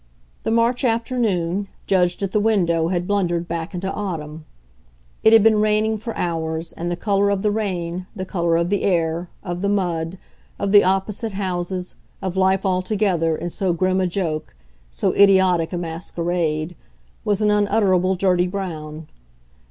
The March afternoon, judged at the window, had blundered back into autumn; it had been raining for hours, and the colour of the rain, the colour of the air, of the mud, of the opposite houses, of life altogether, in so grim a joke, so idiotic a masquerade, was an unutterable dirty brown.